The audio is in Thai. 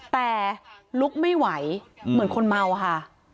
แต่ลุกไม่ไหวเหมือนคนเมาค่ะ